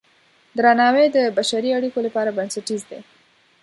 درناوی د بشري اړیکو لپاره بنسټیز دی.